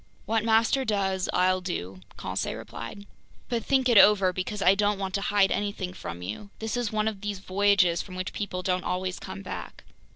"What master does, I'll do," Conseil replied. "But think it over, because I don't want to hide anything from you. This is one of those voyages from which people don't always come back!"